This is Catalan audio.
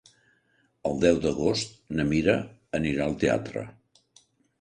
El deu d'agost na Mira anirà al teatre.